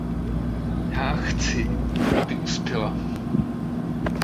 Já chci, aby uspěla.